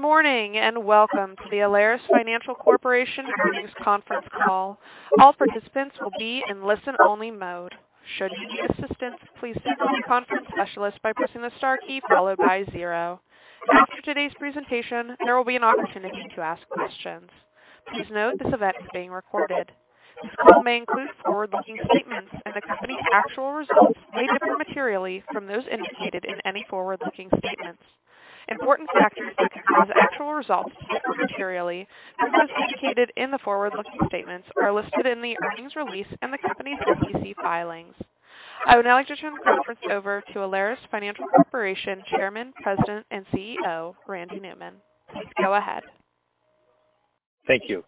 Good morning, and welcome to the Alerus Financial Corporation earnings conference call. All participants will be in listen-only mode. Should you need assistance, please see conference specialist by pressing the star key followed by zero. After today's presentation, there will be an opportunity to ask questions. Please note this event is being recorded. This call may include forward-looking statements and the company's actual results may differ materially from those indicated in any forward-looking statements. Important factors that could cause actual results to differ materially from those indicated in the forward-looking statements are listed in the earnings release in the company's SEC filings. I would now like to turn the conference over to Alerus Financial Corporation Chairman, President, and CEO, Randy Newman. Please go ahead. Thank you.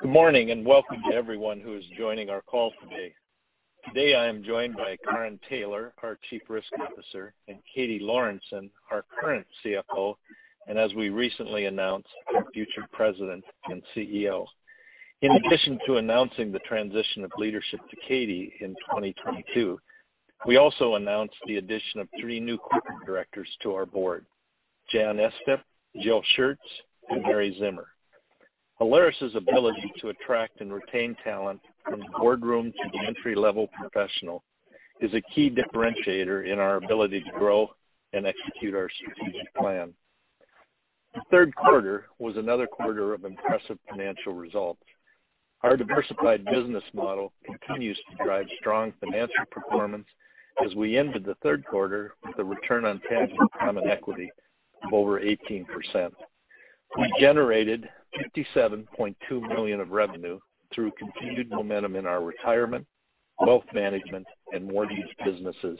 Good morning, and welcome to everyone who is joining our call today. Today, I am joined by Karin Taylor, our Chief Risk Officer, and Katie Lorenson, our current CFO, and as we recently announced, our future President and CEO. In addition to announcing the transition of leadership to Katie in 2022, we also announced the addition of three new Corporate Directors to our Board, Janet Estep, Jill Schurtz, and Mary Zimmer. Alerus's ability to attract and retain talent from the Boardroom to the entry-level professional is a key differentiator in our ability to grow and execute our strategic plan. The third quarter was another quarter of impressive financial results. Our diversified business model continues to drive strong financial performance as we ended the third quarter with a return on tangible common equity of over 18%. We generated $57.2 million of revenue through continued momentum in our retirement, wealth management, and mortgage businesses,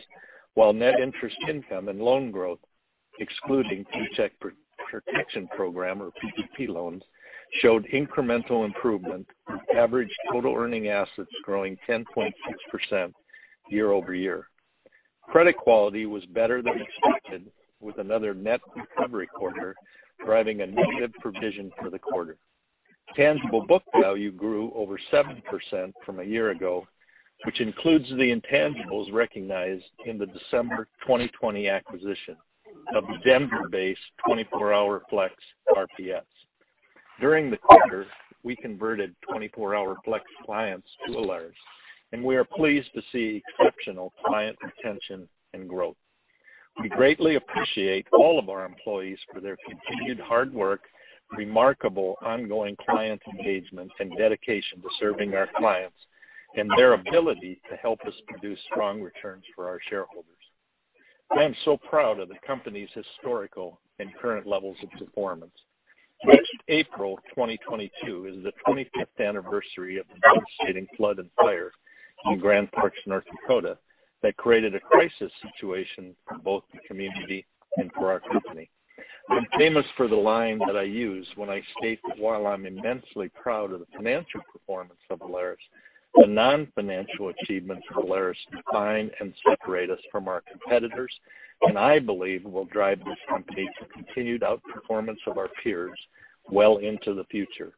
while net interest income and loan growth, excluding Paycheck Protection Program or PPP loans, showed incremental improvement with average total earning assets growing 10.6% year-over-year. Credit quality was better than expected with another net recovery quarter, driving a negative provision for the quarter. Tangible book value grew over 7% from a year ago, which includes the intangibles recognized in the December 2020 acquisition of the Denver-based 24HourFlex RPS. During the quarter, we converted 24HourFlex clients to Alerus, and we are pleased to see exceptional client retention and growth. We greatly appreciate all of our employees for their continued hard work, remarkable ongoing client engagement, and dedication to serving our clients, and their ability to help us produce strong returns for our shareholders. I am so proud of the company's historical and current levels of performance. Next April 2022 is the 25th anniversary of the devastating flood and fire in Grand Forks, North Dakota, that created a crisis situation for both the community and for our company. I'm famous for the line that I use when I state that while I'm immensely proud of the financial performance of Alerus, the non-financial achievements of Alerus define and separate us from our competitors, and I believe will drive this company to continued outperformance of our peers well into the future.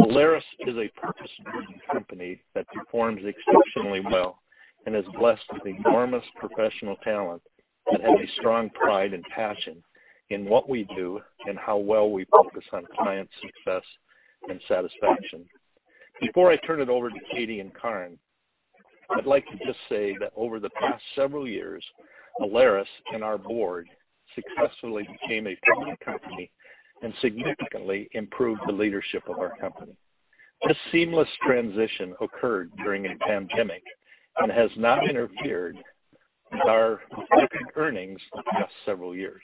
Alerus is a purpose-driven company that performs exceptionally well and is blessed with enormous professional talent that has a strong pride and passion in what we do and how well we focus on client success and satisfaction. Before I turn it over to Katie and Karin, I'd like to just say that over the past several years, Alerus and our Board successfully became a public company and significantly improved the leadership of our company. This seamless transition occurred during a pandemic and has not interfered with our earnings in the past several years.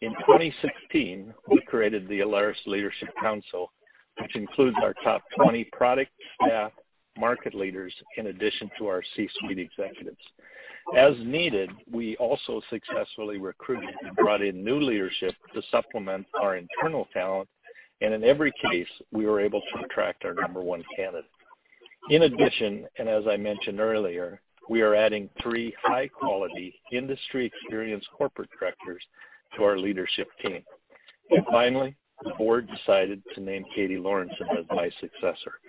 In 2016, we created the Alerus Leadership Council, which includes our top 20 product staff, market leaders, in addition to our C-suite Executives. As needed, we also successfully recruited and brought in new leadership to supplement our internal talent, and in every case, we were able to attract our number one candidate. In addition, as I mentioned earlier, we are adding three high-quality industry experienced corporate directors to our leadership team. Finally, the Board decided to name Katie Lorenson as my successor.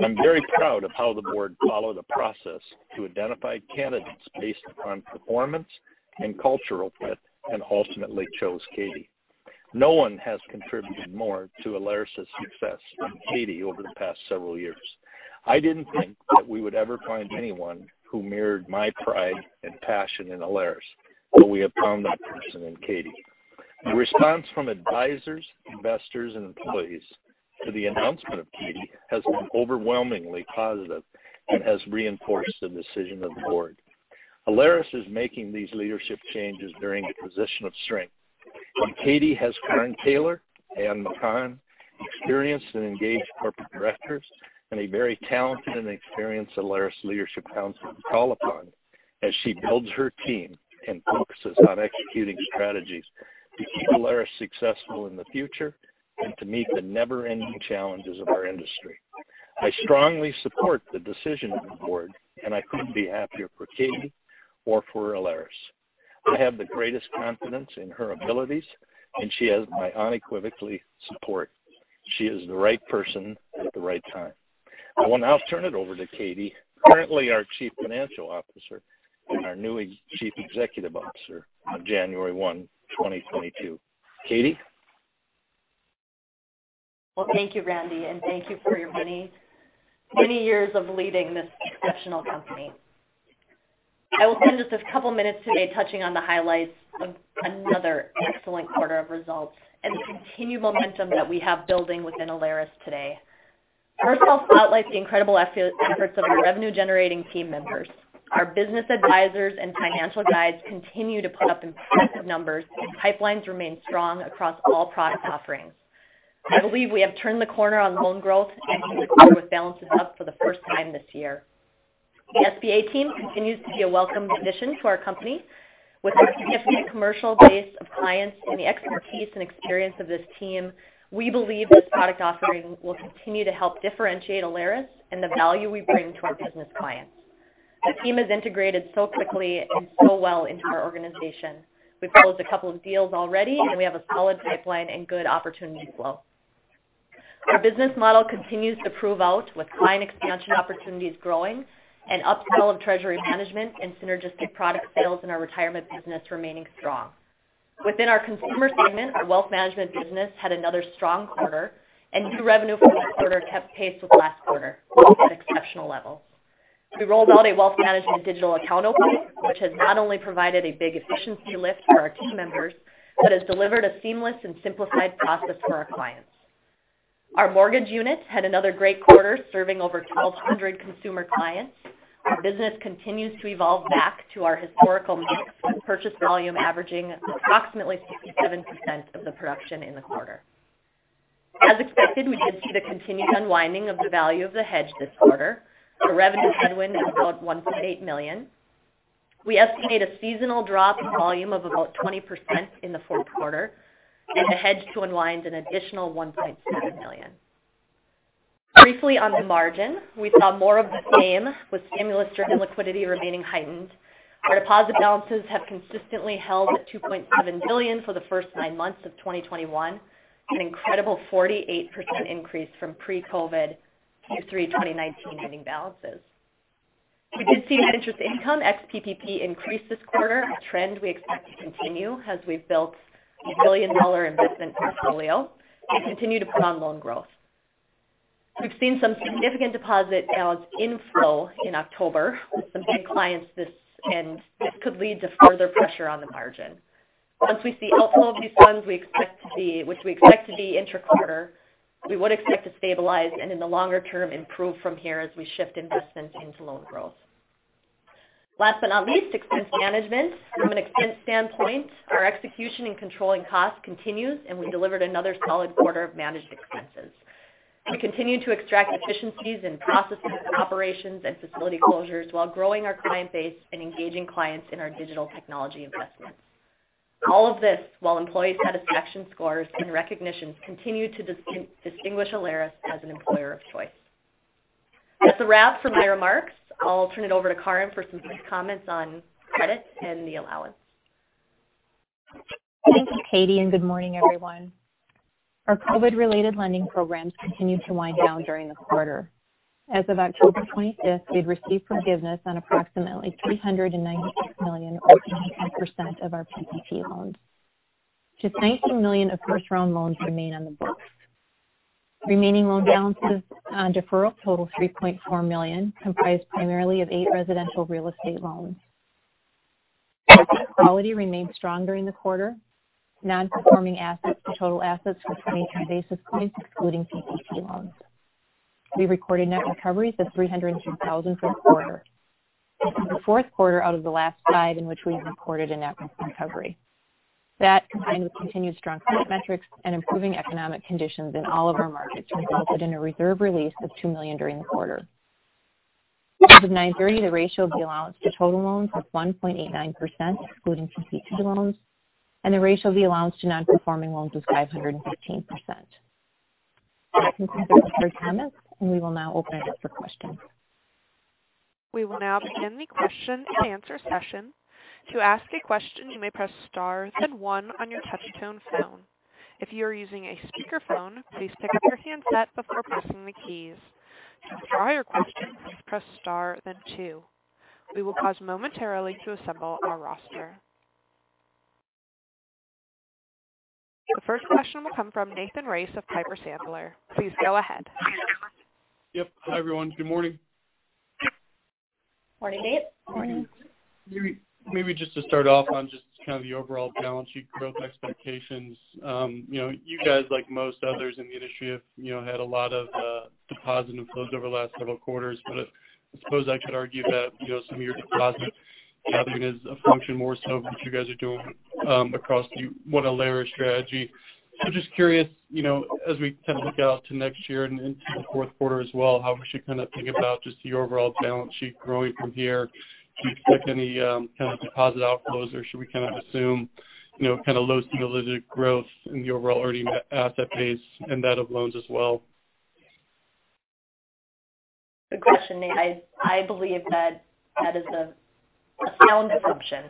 I'm very proud of how the Board followed a process to identify candidates based on performance and cultural fit and ultimately chose Katie. No one has contributed more to Alerus's success than Katie over the past several years. I didn't think that we would ever find anyone who mirrored my pride and passion in Alerus, but we have found that person in Katie. The response from advisors, investors, and employees to the announcement of Katie has been overwhelmingly positive and has reinforced the decision of the Board. Alerus is making these leadership changes during a position of strength. Katie has Karin Taylor and Karen, experienced and engaged corporate directors and a very talented and experienced Alerus Leadership Council to call upon as she builds her team and focuses on executing strategies to keep Alerus successful in the future and to meet the never-ending challenges of our industry. I strongly support the decision of the Board, and I couldn't be happier for Katie or for Alerus. I have the greatest confidence in her abilities, and she has my unequivocal support. She is the right person at the right time. I will now turn it over to Katie, currently our Chief Financial Officer and our new Chief Executive Officer on January 1, 2022. Katie? Well, thank you, Randy, and thank you for your many, many years of leading this exceptional company. I will spend just a couple of minutes today touching on the highlights of another excellent quarter of results and the continued momentum that we have building within Alerus today. First, I'll spotlight the incredible efforts of our revenue-generating team members. Our business advisors and financial guides continue to put up impressive numbers, and pipelines remain strong across all product offerings. I believe we have turned the corner on loan growth, ending the quarter with balances up for the first time this year. The SBA team continues to be a welcome addition to our company. With our significant commercial base of clients and the expertise and experience of this team, we believe this product offering will continue to help differentiate Alerus and the value we bring to our business clients. The team has integrated so quickly and so well into our organization. We've closed a couple of deals already, and we have a solid pipeline and good opportunity flow. Our business model continues to prove out with client expansion opportunities growing and upsell of treasury management and synergistic product sales in our retirement business remaining strong. Within our consumer segment, our wealth management business had another strong quarter, and new revenue for the quarter kept pace with last quarter at exceptional levels. We rolled out a wealth management digital account opening, which has not only provided a big efficiency lift for our team members but has delivered a seamless and simplified process for our clients. Our mortgage units had another great quarter, serving over 1,200 consumer clients. Our business continues to evolve back to our historical mix, with purchase volume averaging approximately 67% of the production in the quarter. As expected, we did see the continued unwinding of the value of the hedge this quarter. The revenue headwind was about $1.8 million. We estimate a seasonal drop in volume of about 20% in the fourth quarter and the hedge to unwind an additional $1.7 million. Briefly on the margin, we saw more of the same with stimulus-driven liquidity remaining heightened. Our deposit balances have consistently held at $2.7 billion for the first nine months of 2021, an incredible 48% increase from pre-COVID Q3 2019 ending balances. We did see net interest income ex-PPP increase this quarter, a trend we expect to continue as we've built a billion-dollar investment portfolio and continue to put on loan growth. We've seen some significant deposit balance inflow in October with some big clients. This could lead to further pressure on the margin. Once we see outflow of these funds, which we expect to be intra-quarter, we would expect to stabilize and in the longer term, improve from here as we shift investment into loan growth. Last but not least, expense management. From an expense standpoint, our execution in controlling costs continues, and we delivered another solid quarter of managed expenses. We continue to extract efficiencies in processes, operations, and facility closures while growing our client base and engaging clients in our digital technology investments. All of this while employee satisfaction scores and recognitions continue to distinguish Alerus as an employer of choice. That's a wrap for my remarks. I'll turn it over to Karin for some brief comments on credit and the allowance. Thank you, Katie, and good morning, everyone. Our COVID-related lending programs continued to wind down during the quarter. As of October 25, we'd received forgiveness on approximately $396 million or 90% of our PPP loans. Just $19 million of first-round loans remain on the books. Remaining loan balances on deferral total $3.4 million, comprised primarily of eight residential real estate loans. Credit quality remained strong during the quarter. Non-performing assets to total assets was 22 basis points, excluding PPP loans. We recorded net recoveries of $302 thousand for the quarter. This is the fourth quarter out of the last five in which we've recorded a net recovery. That, combined with continued strong credit metrics and improving economic conditions in all of our markets, resulted in a reserve release of $2 million during the quarter. As of November 9, 30, the ratio of the allowance to total loans was 1.89%, excluding PPP loans, and the ratio of the allowance to non-performing loans was 515%. That concludes our prepared comments, and we will now open it up for questions. We will now begin the question-and-answer session. To ask a question, you may press star then one on your touch-tone phone. If you are using a speakerphone, please pick up your handset before pressing the keys. To withdraw your question, press star then two. We will pause momentarily to assemble our roster. The first question will come from Nathan Race of Piper Sandler. Please go ahead. Yep. Hi, everyone. Good morning. Morning, Nate. Morning. Maybe just to start off on just kind of the overall balance sheet growth expectations. You know, you guys, like most others in the industry, have had a lot of deposit inflows over the last several quarters. But I suppose I could argue that, you know, some of your deposit is a function more so of what you guys are doing across the One Alerus strategy. So just curious, you know, as we kind of look out to next year and into the fourth quarter as well, how we should kind of think about just the overall balance sheet growing from here. Should we expect any kind of deposit outflows, or should we kind of assume, you know, kind of low-single-digit growth in the overall earning asset base and that of loans as well? Good question, Nate. I believe that is a sound assumption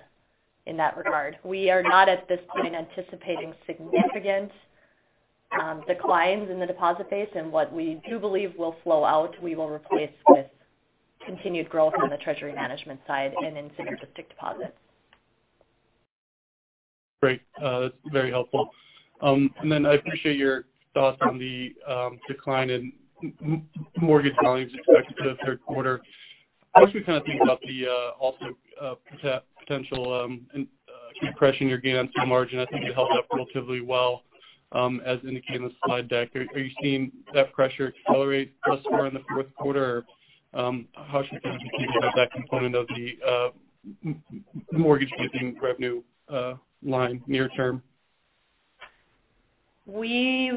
in that regard. We are not at this point anticipating significant declines in the deposit base. What we do believe will flow out, we will replace with continued growth on the treasury management side and in significant deposits. Great. That's very helpful. I appreciate your thoughts on the decline in mortgage volumes expected through third quarter. I was actually kind of thinking about also the potential compression on your gain-on-sale margin. I think you held up relatively well as indicated in the slide deck. Are you seeing that pressure accelerate thus far in the fourth quarter? How should we think about that component of the mortgage fee and gain revenue line near term? We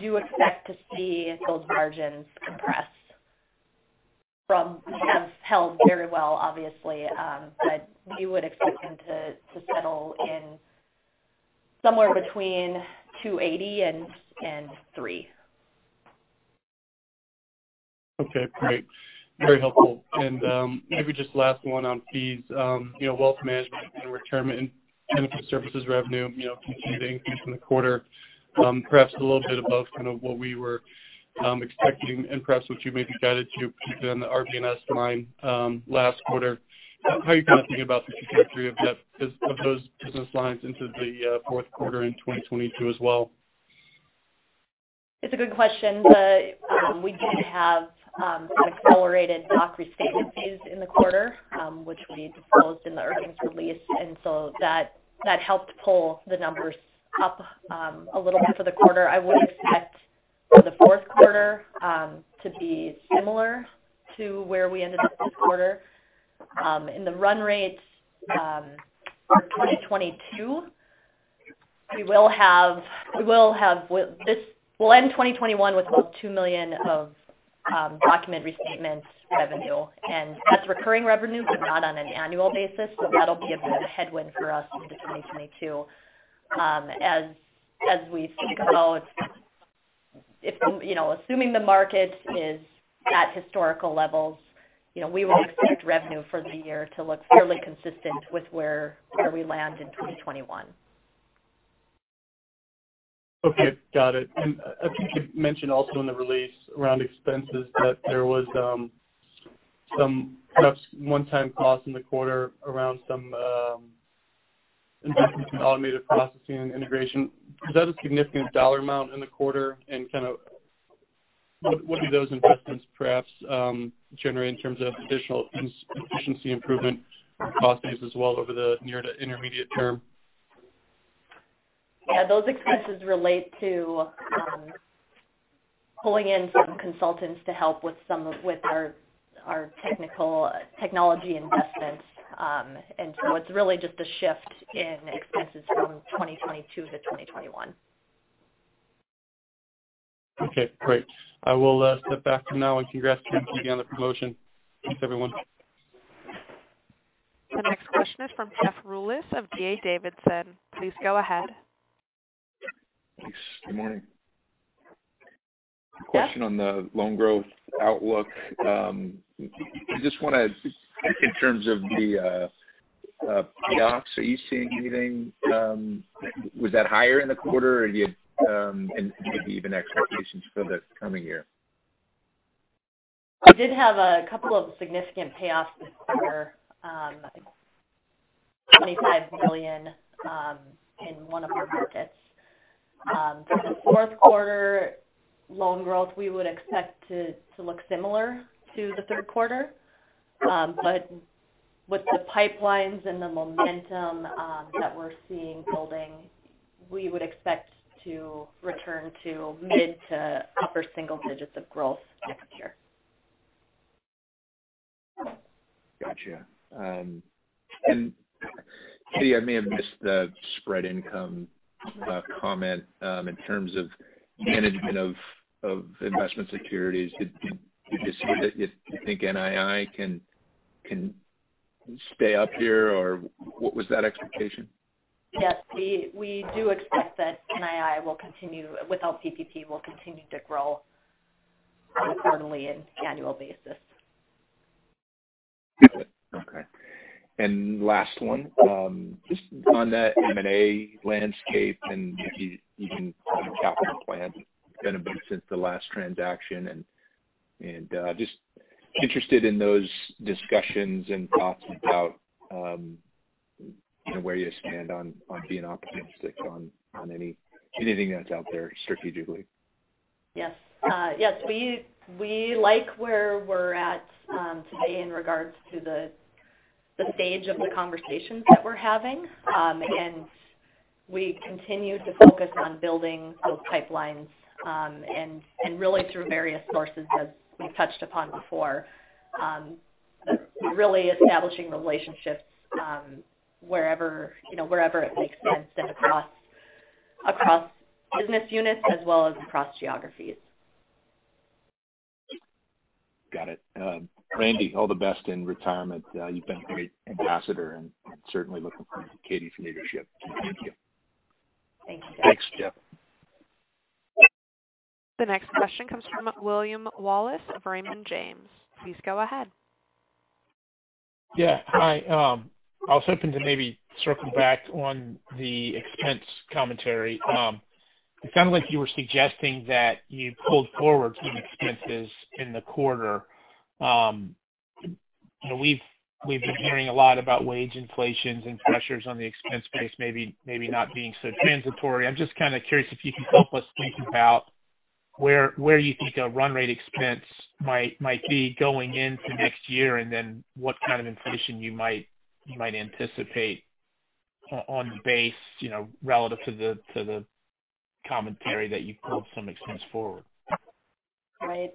do expect to see those margins compress from where they have held very well obviously. We would expect them to settle in somewhere between 2.80% and 3%. Okay, great. Very helpful. Maybe just last one on fees. You know, wealth management and retirement and benefit services revenue, you know, continuing in the quarter, perhaps a little bit above kind of what we were expecting and perhaps what you maybe guided to within the RB&S line, last quarter. How are you kind of thinking about the trajectory of those business lines into the fourth quarter in 2022 as well? It's a good question. We did have some accelerated document restatement fees in the quarter, which we disclosed in the earnings release. That helped pull the numbers up a little for the quarter. I would expect for the fourth quarter to be similar to where we ended up this quarter. In the run rates for 2022, we'll end 2021 with about $2 million of document restatement revenue. That's recurring revenue, but not on an annual basis. That'll be a bit of a headwind for us into 2022. As we think about it, you know, assuming the market is at historical levels, you know, we would expect revenue for the year to look fairly consistent with where we land in 2021. Okay. Got it. I think you mentioned also in the release around expenses that there was some perhaps one-time costs in the quarter around some investments in automated processing and integration. Is that a significant dollar amount in the quarter? Kind of what do those investments perhaps generate in terms of additional efficiency improvement cost base as well over the near to intermediate term? Yeah. Those expenses relate to pulling in some consultants to help with our technology investments. It's really just a shift in expenses from 2022 to 2021. Okay, great. I will step back from now on and congrats to Katie on the promotion. Thanks, everyone. The next question is from Jeff Rulis of D.A. Davidson. Please go ahead. Thanks. Good morning. Yes. Question on the loan growth outlook. I just wanna in terms of the payoffs, are you seeing anything. Was that higher in the quarter or do you and maybe even expectations for the coming year? We did have a couple of significant payoffs this quarter, like $25 billion, in one of our markets. For the fourth quarter loan growth, we would expect to look similar to the third quarter. With the pipelines and the momentum that we're seeing building, we would expect to return to mid- to upper-single-digit% growth next year. Gotcha. Katie, I may have missed the spread income comment in terms of management of investment securities. Did you say that you think NII can stay up here or what was that expectation? Yes. We do expect that NII without PPP will continue to grow on a quarterly and annual basis. Okay. Last one, just on that M&A landscape and if you can capital plan it's been a bit since the last transaction and just interested in those discussions and thoughts about, you know, where you stand on being opportunistic on anything that's out there strategically? Yes. Yes, we like where we're at today in regards to the stage of the conversations that we're having. We continue to focus on building those pipelines and really through various sources as we've touched upon before. Really establishing relationships wherever, you know, wherever it makes sense and across business units as well as across geographies. Got it. Randy, all the best in retirement. You've been a great ambassador and certainly looking forward to Katie's leadership. Thank you. Thanks, Jeff. The next question comes from William Wallace of Raymond James. Please go ahead. Yeah. Hi. I was hoping to maybe circle back on the expense commentary. It sounded like you were suggesting that you pulled forward some expenses in the quarter. You know, we've been hearing a lot about wage inflations and pressures on the expense base, maybe not being so transitory. I'm just kind of curious if you can help us think about where you think a run rate expense might be going into next year, and then what kind of inflation you might anticipate on the base, you know, relative to the commentary that you pulled some expense forward. Right.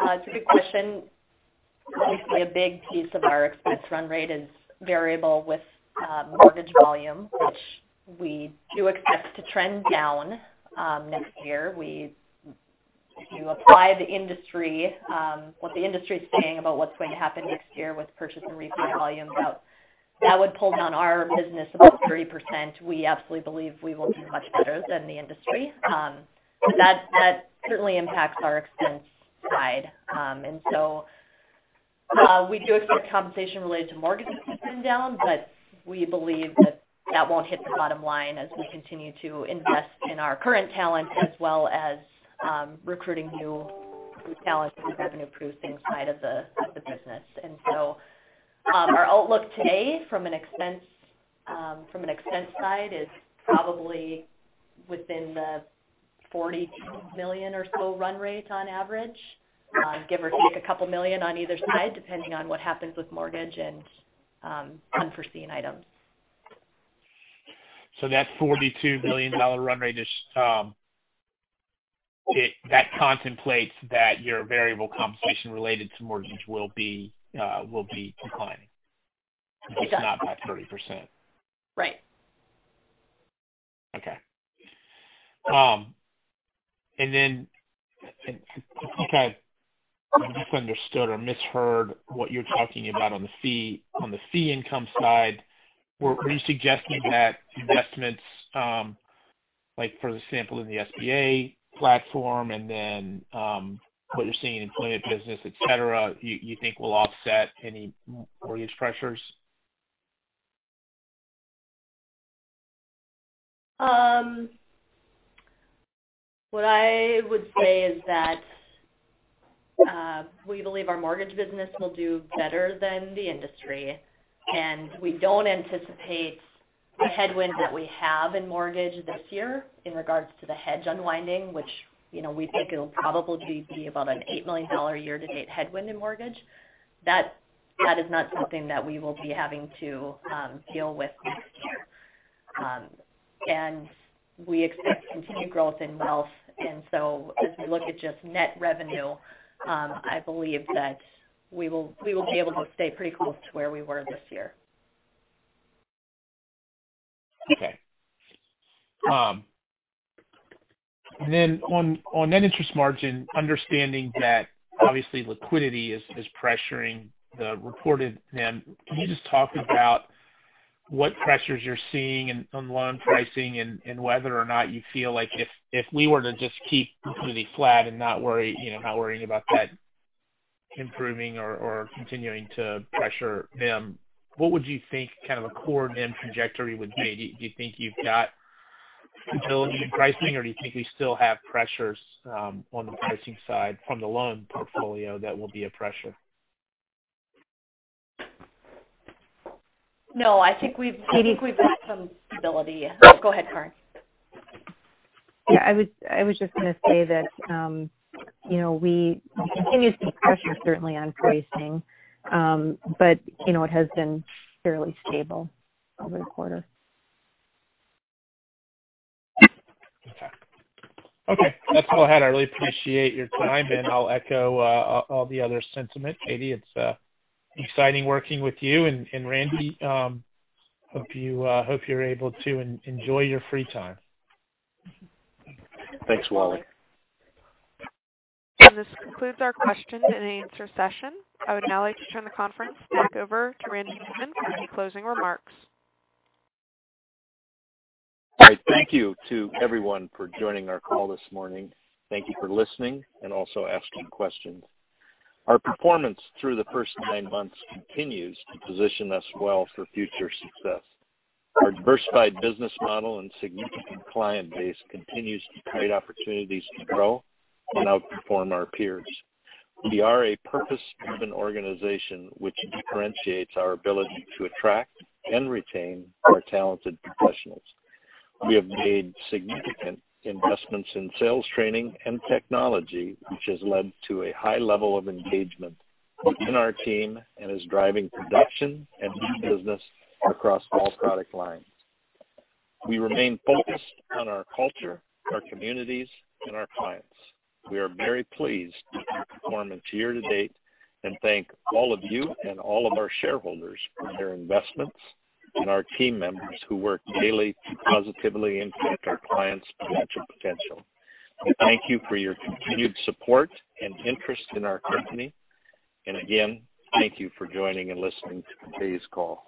It's a good question. Obviously, a big piece of our expense run rate is variable with mortgage volume, which we do expect to trend down next year. If you apply the industry what the industry is saying about what's going to happen next year with purchase and refi volumes out, that would pull down our business about 30%. We absolutely believe we will do much better than the industry. That certainly impacts our expense side. We do expect compensation related to mortgage to come down, but we believe that won't hit the bottom line as we continue to invest in our current talent as well as recruiting new talent for the revenue producing side of the business. Our outlook today from an expense side is probably within the $40 million or so run rate on average. Give or take a couple million on either side, depending on what happens with mortgage and unforeseen items. That $42 million run rate is, that contemplates that your variable compensation related to mortgage will be declining. It does. If it's not by 30%. Right. Okay. I think I misunderstood or misheard what you're talking about on the fee, on the fee income side. Are you suggesting that investments, like for the sample in the SBA platform and then, what you're seeing in employment business, et cetera, you think will offset any mortgage pressures? What I would say is that we believe our mortgage business will do better than the industry, and we don't anticipate the headwind that we have in mortgage this year in regards to the hedge unwinding, which, you know, we think it'll probably be about an $8 million year-to-date headwind in mortgage. That is not something that we will be having to deal with next year. We expect continued growth in wealth. As we look at just net revenue, I believe that we will be able to stay pretty close to where we were this year. Okay. On net interest margin, understanding that obviously liquidity is pressuring the reported NIM, can you just talk about what pressures you're seeing on loan pricing and whether or not you feel like if we were to just keep liquidity flat and not worry, you know, not worrying about that improving or continuing to pressure NIM, what would you think kind of a core NIM trajectory would be? Do you think you've got stability in pricing, or do you think we still have pressures on the pricing side from the loan portfolio that will be a pressure? No, I think we've. Katie I think we've got some stability. Go ahead, Karin. Yeah. I was just gonna say that, you know, we continue to see pressure certainly on pricing. You know, it has been fairly stable over the quarter. Okay. That's all I had. I really appreciate your time, and I'll echo all the other sentiment. Katie, it's exciting working with you and Randy. I hope you're able to enjoy your free time. Thanks, William. This concludes our question and answer session. I would now like to turn the conference back over to Randy Newman for any closing remarks. All right. Thank you to everyone for joining our call this morning. Thank you for listening and also asking questions. Our performance through the first nine months continues to position us well for future success. Our diversified business model and significant client base continues to create opportunities to grow and outperform our peers. We are a purpose-driven organization, which differentiates our ability to attract and retain our talented professionals. We have made significant investments in sales training and technology, which has led to a high level of engagement in our team and is driving production and new business across all product lines. We remain focused on our culture, our communities, and our clients. We are very pleased with our performance year to date, and thank all of you and all of our shareholders for your investments and our team members who work daily to positively impact our clients' financial potential. We thank you for your continued support and interest in our company. Again, thank you for joining and listening to today's call.